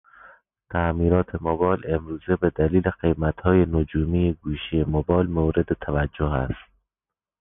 تعمیرات موبایل امروزه به دلیل قیمت های نجومی گوشی موبایل مورد توجه است